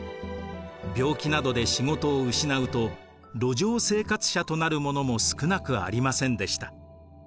病気などで仕事を失うと路上生活者となる者も少なくありませんでした。